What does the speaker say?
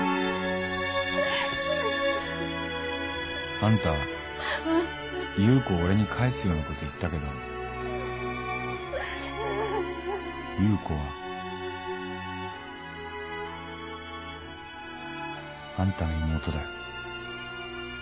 「あんた優子を俺に返すようなこと言ったけど優子はあんたの妹だよ」